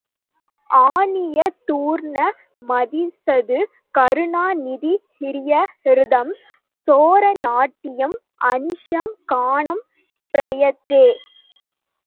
ஆனிய தூர்ண மதிசது கருணா நிதி ஹிய ஹதம் சோர நாட்டியம் அனிஷம் கானம் பிரயத்யே.